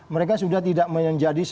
mereka sudah tidak menjadi